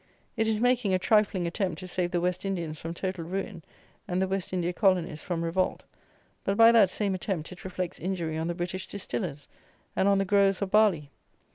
It is making a trifling attempt to save the West Indians from total ruin, and the West India colonies from revolt; but by that same attempt it reflects injury on the British distillers, and on the growers of barley.